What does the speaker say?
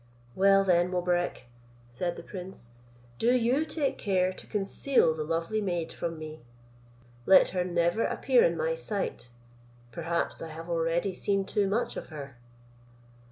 "Well, then, Mobarec," said the prince, "do you take care to conceal the lovely maid from me; let her never appear in my sight; perhaps I have already seen too much of her."